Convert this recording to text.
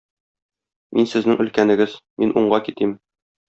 Мин сезнең өлкәнегез, мин уңга китим.